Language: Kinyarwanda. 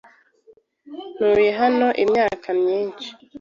Ntuye hano imyaka myinshi.